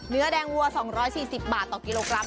เนื้อแดงวัว๒๔๐บาทต่อกิโลกรัม